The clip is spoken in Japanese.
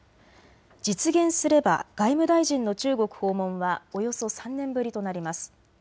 実現すれば外務大臣の中国訪問はおよそ３年ぶりとなります。